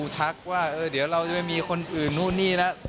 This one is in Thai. ทักว่าเดี๋ยวเราจะไปมีคนอื่นนู่นนี่แล้ว